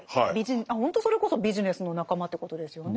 ほんとそれこそビジネスの仲間ってことですよね。